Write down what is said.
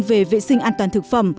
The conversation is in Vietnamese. về vệ sinh an toàn thực phẩm